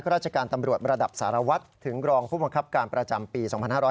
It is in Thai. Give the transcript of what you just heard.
ราชการตำรวจระดับสารวัตรถึงรองผู้บังคับการประจำปี๒๕๕๙